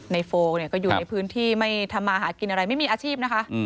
โฟลก็อยู่ในพื้นที่ไม่ทำมาหากินอะไรไม่มีอาชีพนะคะ